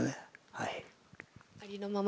はい。